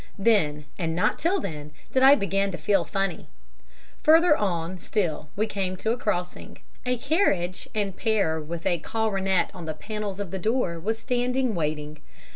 Then, and not till then, did I begin to feel funny. Further on still we came to a crossing. A carriage and pair with a coronet on the panels of the door was standing waiting.